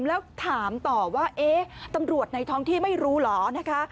แล้วถามต่อว่าเอ๊ะตำรวจในท้องที่ไม่รู้เหรอนะคะ